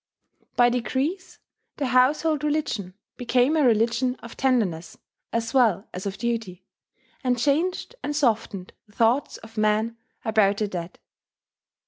By degrees the household religion became a religion of tenderness as well as of duty, and changed and softened the thoughts of men about their dead.